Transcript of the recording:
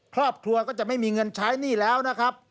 ครอบครัวก็จะไม่มีเงินใช้หนี้แล้วนะครับ